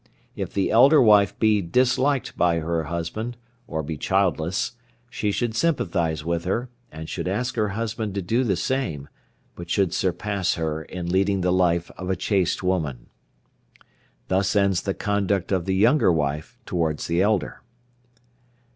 If the elder wife be disliked by her husband, or be childless, she should sympathize with her, and should ask her husband to do the same, but should surpass her in leading the life of a chaste woman. Thus ends the conduct of the younger wife towards the elder.